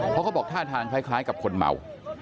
เพราะเขาบอกท่าทางคล้ายกับคนเมา